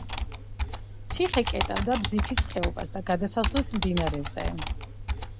ციხე კეტავდა ბზიფის ხეობას და გადასასვლელს მდინარეზე.